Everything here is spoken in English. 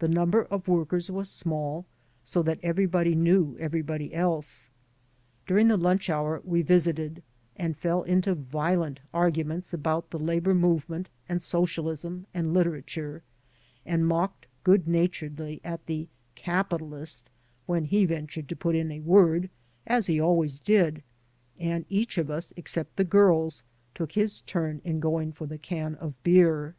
The number of workers was small, so that everybody knew everybody else: During the lunch hour we visited, and fell into violent arguments about the labor movement and socialism and literature, and mocked good naturedly at the "capitalist'' when he ventured to put in a word (as he always did) ; and each of us, except the girls, took his timi in going for the can of beer.